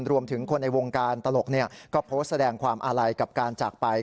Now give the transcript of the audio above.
รวมถึงคนในวงการตลกก็โพสต์แสดงความอาลัยกับการจากไป